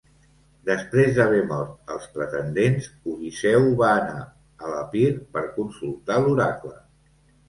Després d'haver mort els pretendents, Odisseu va anar a l'Epir per consultar l'oracle.